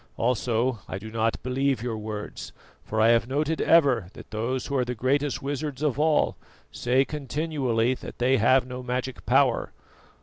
Also I do not believe your words, for I have noted ever that those who are the greatest wizards of all say continually that they have no magic power.